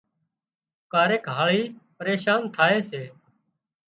ڪاريڪ هاۯِي پريشان ٿائي سي